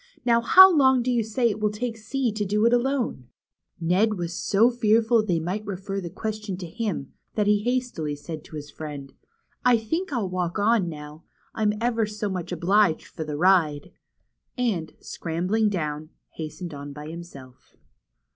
Now how long do you say it will take C to do it alone ?" Ned was so fearful they might refer the question to him, that he said hastily to his friend: I think 1 11 walk on now. I'm ever so much obliged for the ride," and scrambling down, hastened on by himself.